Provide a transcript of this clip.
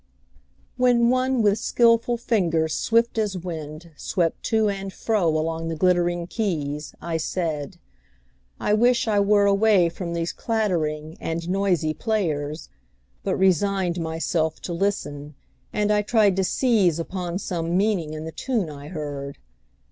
WHEN one with skillful fingers swift as wind Swept to and fro along the glittering keys, I said: I wish I were away from these Clattering and noisy players! but resigned Myself to listen, and I tried to seize Upon some meaning in the tune I heard.